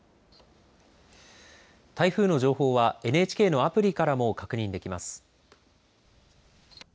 台風の情報はＮＨＫのアプリからも確認できます。